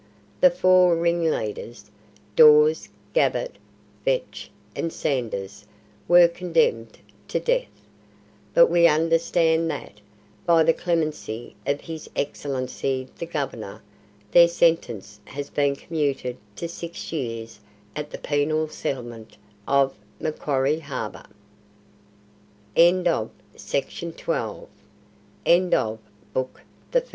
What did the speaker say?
The four ringleaders, Dawes Gabbett, Vetch, and Sanders, were condemned to death; but we understand that, by the clemency of his Excellency the Governor, their sentence has been commuted to six years at the penal settlement of Macquarie Harbour." END OF BOOK THE FIRST BOOK II. MACQUARIE HARBOUR. 1833. CHAPTER I.